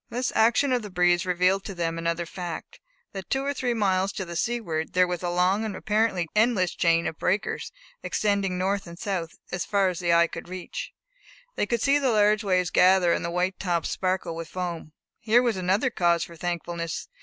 This action of the breeze revealed to them another fact, that two or three miles to the seaward there was a long and apparently endless chain of breakers extending north and south, as far as the eye could reach. They could see the large waves gather, and the white tops sparkle with foam. Here was another cause for thankfulness.